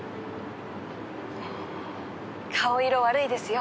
顔色悪いですよ